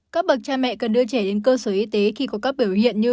các bậc cha mẹ cần đưa trẻ đến cơ sở y tế khi có các biểu hiện như